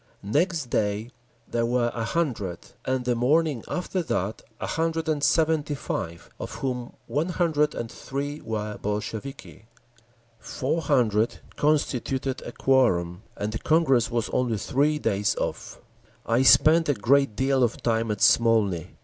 Next day there were a hundred, and the morning after that a hundred and seventy five, of whom one hundred and three were Bolsheviki…. Four hundred constituted a quorum, and the Congress was only three days off…. I spent a great deal of time at Smolny.